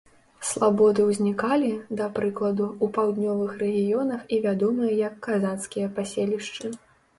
Слабоды ўзнікалі, да прыкладу, у паўднёвых рэгіёнах і вядомыя як казацкія паселішчы.